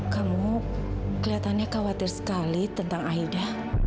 kamu kelihatannya khawatir sekali tentang aida